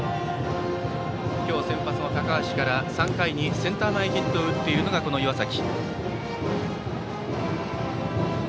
今日、先発の高橋から３回にセンター前ヒットを打っているのが、この岩崎。